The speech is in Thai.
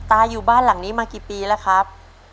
อยู่บ้านหลังนี้มากี่ปีแล้วครับ